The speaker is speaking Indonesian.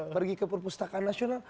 pergi ke perpustakaan nasional